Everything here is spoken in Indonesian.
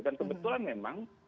dan kebetulan memang